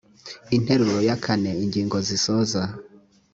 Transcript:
interuro ya kane ingingo zisoza